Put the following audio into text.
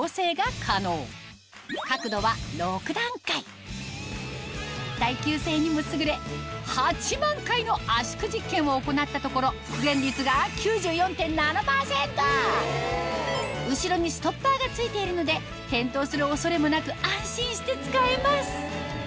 こちら耐久性にも優れを行ったところ後ろにストッパーが付いているので転倒する恐れもなく安心して使えます